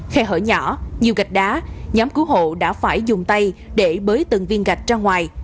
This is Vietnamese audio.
khe hở nhỏ nhiều gạch đá nhóm cứu hộ đã phải dùng tay để bới từng viên gạch ra ngoài